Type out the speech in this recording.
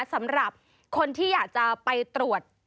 สำหรับคนที่อยากจะไปตรวจ